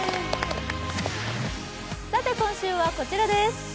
今週はこちらです。